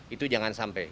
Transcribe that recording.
itu jangan sampai